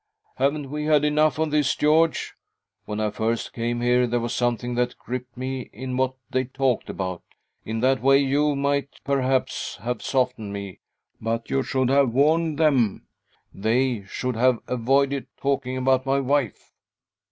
" Haven't we had enough of this, George ?. When I first came here there was ; something that gripped me in what they talked about. In that way you might perhaps have softened m% but you should have warned them — they ; should have avoided talking about my wife."